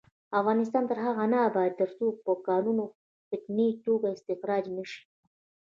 افغانستان تر هغو نه ابادیږي، ترڅو کانونه په فني توګه استخراج نشي.